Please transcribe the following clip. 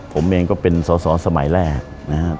ผมเองก็เป็นสอสอสมัยแรกนะครับ